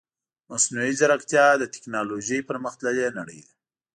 مصنوعي ځيرکتيا د تکنالوژي پرمختللې نړۍ ده .